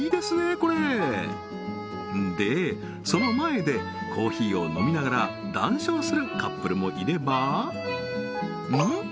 これでその前でコーヒーを飲みながら談笑するカップルもいればうん？